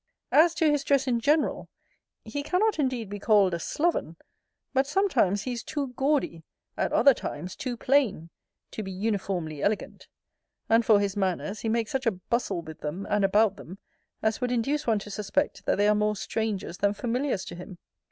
As to his dress in general, he cannot indeed be called a sloven, but sometimes he is too gaudy, at other times too plain, to be uniformly elegant. And for his manners, he makes such a bustle with them, and about them, as would induce one to suspect that they are more strangers than familiars to him.